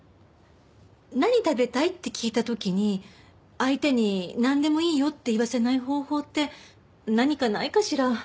何食べたい？って聞いた時に相手になんでもいいよって言わせない方法って何かないかしら？